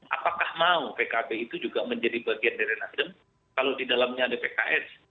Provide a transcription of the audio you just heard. apakah mau pkb itu juga menjadi bagian dari nasdem kalau di dalamnya ada pks